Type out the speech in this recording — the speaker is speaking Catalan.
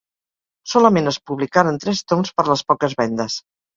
Solament es publicaren tres toms per les poques vendes.